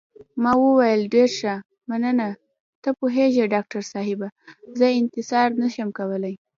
ما وویل: ډېر ښه، مننه، ته پوهېږې ډاکټر صاحبه، زه انتظار نه شم کولای.